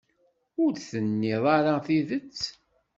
Ur d-tenniḍ ara tidet.